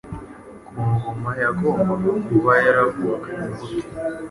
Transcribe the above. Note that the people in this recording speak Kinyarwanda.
ku ngoma yagombaga kuba yaravukanye imbuto